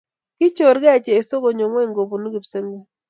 Kichorkei Jesu konyo ingweny kobuni kipsengwet